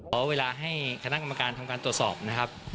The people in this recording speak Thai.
ขอเวลาให้คณะกรรมการทำการตรวจสอบนะครับ